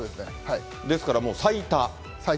ですからもう最多？